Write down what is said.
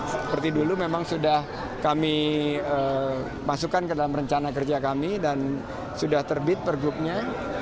seperti dulu memang sudah kami masukkan ke dalam rencana kerja kami dan sudah terbit pergubnya